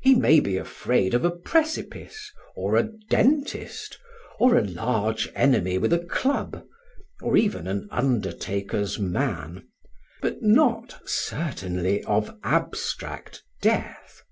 He may be afraid of a precipice, or a dentist, or a large enemy with a club, or even an undertaker's man; but not certainly of abstract death.